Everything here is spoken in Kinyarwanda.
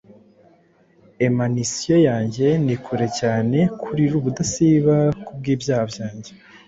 Emanasiyo yanjye iri kure cyane kurira ubudasiba kubwibyaha byanjye.